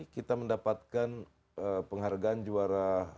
kita mendapatkan penghargaan juara